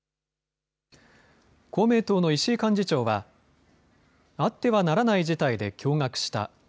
公明党の石井幹事長はあってはならない事態で驚がくした。